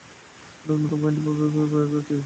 অনেক নতুন-নতুন পয়েন্ট ভেবে বের করেছি।